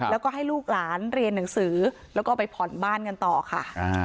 แล้วก็ให้ลูกหลานเรียนหนังสือแล้วก็ไปผ่อนบ้านกันต่อค่ะ